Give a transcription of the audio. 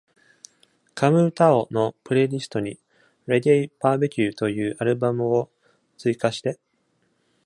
Camu Tao のプレイリストに Reggae BBQ というアルバムを追加して